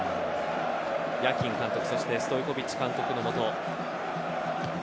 ヤキン監督、そしてストイコヴィッチ監督の下。